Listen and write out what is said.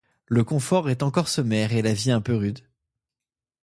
Le confort est encore sommaire et la vie un peu rude.